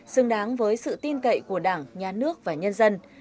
xứng đáng với sự tin cậy của đảng nhà nước và nhân dân